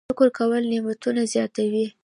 شکر کول نعمتونه زیاتوي